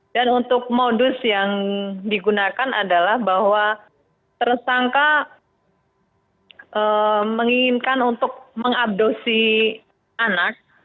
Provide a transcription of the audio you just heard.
dan untuk modus yang digunakan adalah bahwa tersangka menginginkan untuk mengabdosi anak